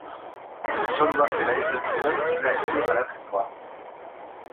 Lurzoruak eragiten zion erreakzio alergikoa.